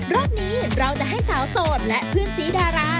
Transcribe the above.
รอบนี้เราจะให้สาวโสดและเพื่อนสีดารา